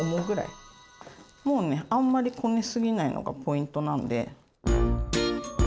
もうねあんまりこねすぎないのがポイントなんで。